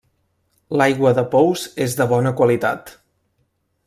L'aigua de pous és de bona qualitat.